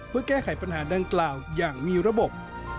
เพื่อแก้ไขปัญหาดังกล่าวอย่างมีระบบ